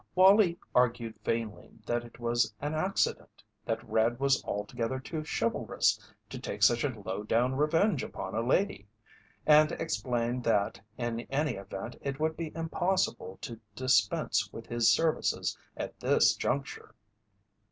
Wallie argued vainly that it was an accident, that "Red" was altogether too chivalrous to take such a low down revenge upon a lady, and explained that in any event it would be impossible to dispense with his services at this juncture.